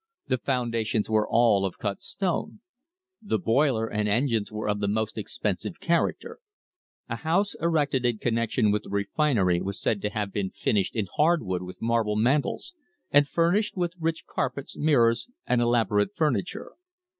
The foundations were all of cut stone. The boiler and engines were of the most expensive character. A house erected in connection with the refinery was said to have been finished in hard wood with marble mantels, and fur nished with rich carpets, mirrors, and elaborate furniture.